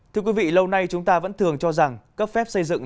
thưa quý vị lâu nay chúng ta vẫn thường cho rằng cấp phép xây dựng